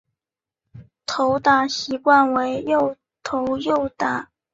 投打习惯为右投右打。